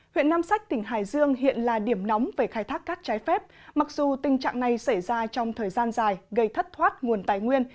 huyện nam sách tỉnh hải dương hiện là điểm nóng về khai thác cát trái phép mặc dù tình trạng này xảy ra trong thời gian dài gây thất thoát nguồn tài nguyên